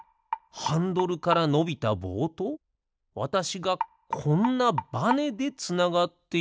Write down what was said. ハンドルからのびたぼうとわたしがこんなバネでつながっているだけ？